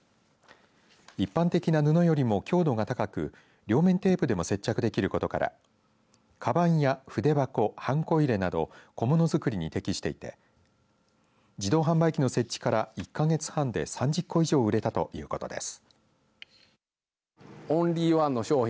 一般的な布よりも強度が高く両面テープでも接着できることからかばんや筆箱、はんこ入れなど小物作りに適していて自動販売機の設置から１か月半で３０個以上売れたということです。